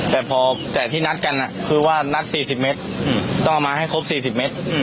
แต่พอแต่ที่นัดกันคือว่านัด๔๐เมตรต้องเอามาให้ครบ๔๐เมตร